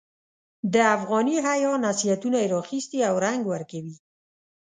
د افغاني حیا نصیحتونه یې را اخیستي او رنګ ورکوي.